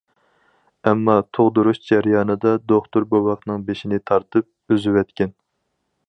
ئەمما تۇغدۇرۇش جەريانىدا دوختۇر بوۋاقنىڭ بېشىنى تارتىپ ئۈزۈۋەتكەن.